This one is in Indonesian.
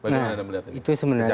nah itu sebenarnya yang membuat